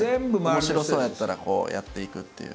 面白そうやったらこうやっていくっていう。